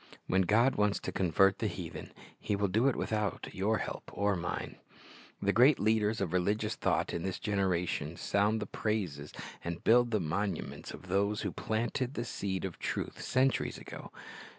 When God wants to convert the heathen, He will do it without your help or mine." The great leaders of religious thought in this generation sound the praises and build the monuments of those who planted the seed of truth centuries ago.